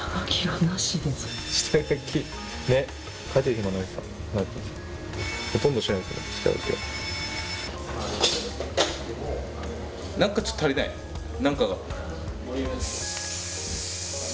なんかちょっと足りない、なんかが。